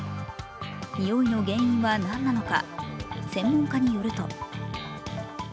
においの原因は何なのか。